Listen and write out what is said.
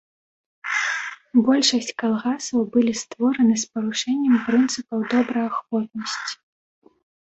Большасць калгасаў былі створаны з парушэннем прынцыпаў добраахвотнасці.